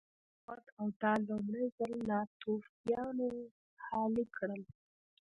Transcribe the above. ولې نخود او دال لومړي ځل ناتوفیانو اهلي کړل